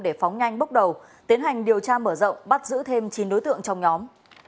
để phóng nhanh bốc đầu tiến hành điều tra mở rộng bắt giữ thêm chín đối tượng trong nhóm